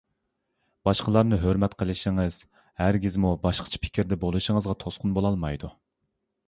باشقىلارنى ھۆرمەت قىلىشىڭىز ھەرگىزمۇ باشقىچە پىكىردە بولۇشىڭىزغا توسقۇن بولالمايدۇ.